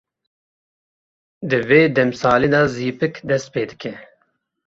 Di vê demsalê de zîpik dest pê dike.